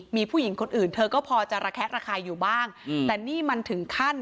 มีผู้หญิงคนอื่นเธอก็พอจะระแคะระคายอยู่บ้างแต่นี่มันถึงขั้น